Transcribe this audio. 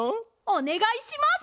おねがいします！